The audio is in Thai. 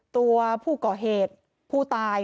ตัวผู้ก่อเหตุผู้ตาย